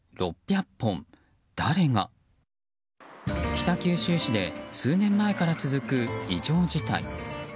北九州市で数年前から続く異常事態。